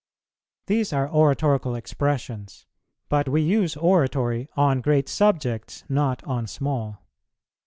These are oratorical expressions; but we use oratory on great subjects, not on small.